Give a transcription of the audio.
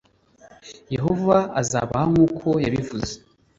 Yehova azabaha nk’uko yabivuze